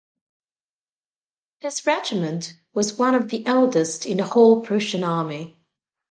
This regiment was one of the eldest in the whole Prussian army.